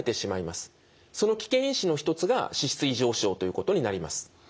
その危険因子の一つが脂質異常症ということになります。